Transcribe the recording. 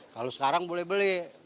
kalau sekarang boleh beli